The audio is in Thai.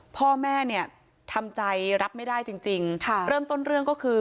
พ่อแม่เนี่ยทำใจรับไม่ได้จริงจริงค่ะเริ่มต้นเรื่องก็คือ